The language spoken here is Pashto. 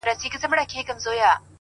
هر منزل د نوې موخې دروازه ده’